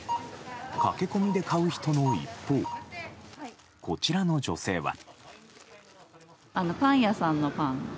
駆け込みで買う人の一方こちらの女性は。